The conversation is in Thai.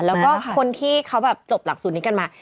แล้วก็คนที่เขาแบบจบหลักสูตรนี้กันมา